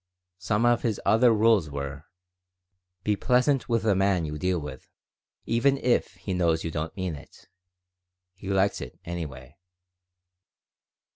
Some of his other rules were: "Be pleasant with the man you deal with, even if he knows you don't mean it. He likes it, anyway."